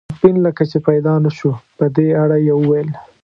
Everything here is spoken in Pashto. اپین لکه چې پیدا نه شو، په دې اړه یې وویل.